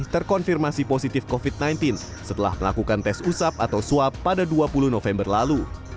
terkonfirmasi positif covid sembilan belas setelah melakukan tes usap atau swab pada dua puluh november lalu